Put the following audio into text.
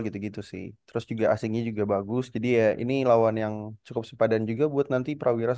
gitu gitu sih terus juga asingnya juga bagus jadi ya ini lawan yang cukup sepadan juga buat nanti prawira